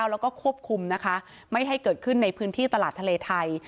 แล้วก็ควบคุมนะคะไม่ให้เกิดขึ้นในพื้นที่ตลาดทะเลไทย